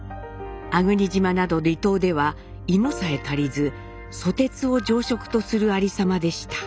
粟国島など離島では芋さえ足りずソテツを常食とするありさまでした。